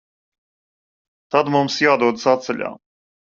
Tad mums jādodas atceļā.